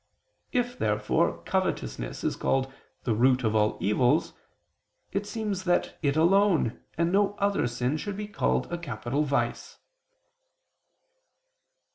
If therefore covetousness is called the "root of all evils," it seems that it alone, and no other sin, should be called a capital vice.